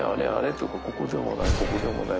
とここでもない